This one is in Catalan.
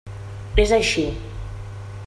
És així.